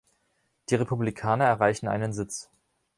Die Republikaner erreichen einen Sitz.